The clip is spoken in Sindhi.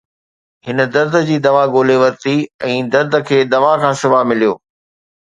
هن درد جي دوا ڳولي ورتي ۽ درد کي دوا کان سواءِ مليو